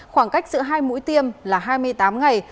khoảng cách giữa hai mũi tiêm là hai mươi tám ngày